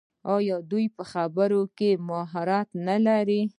آیا دوی په خبرو کې مهارت نلري؟